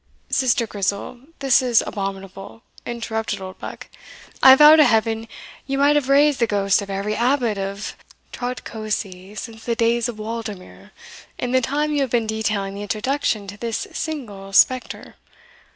"Sister Grizel, this is abominable," interrupted Oldbuck; "I vow to Heaven ye might have raised the ghosts of every abbot of Trotcosey, since the days of Waldimir, in the time you have been detailing the introduction to this single spectre.